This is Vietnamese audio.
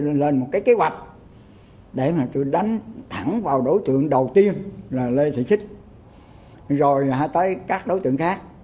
tôi lên một cái kế hoạch để mà tôi đánh thẳng vào đối tượng đầu tiên là lê thị xích rồi là tới các đối tượng khác